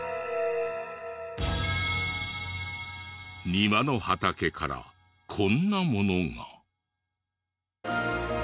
庭の畑からこんなものが。